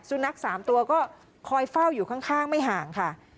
นัก๓ตัวก็คอยเฝ้าอยู่ข้างไม่ห่างค่ะ